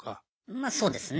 まそうですね。